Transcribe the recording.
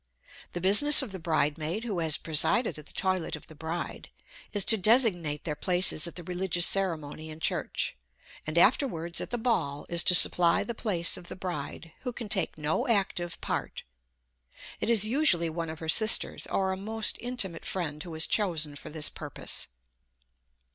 The business of the bridemaid who has presided at the toilet of the bride, is to designate their places at the religious ceremony in church; and afterwards, at the ball, is to supply the place of the bride, who can take no active part; it is usually one of her sisters or a most intimate friend who is chosen for this purpose.